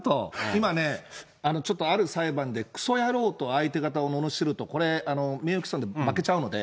今ね、ちょっとある裁判でくそやろうと相手方をののしると、これ、名誉毀損で負けちゃうので。